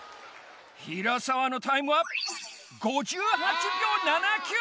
平沢のタイムは５８びょう７９！